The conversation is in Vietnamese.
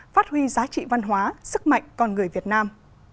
phát huy giá trị văn hóa sức mạnh con người việt nam